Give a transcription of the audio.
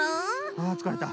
あつかれた。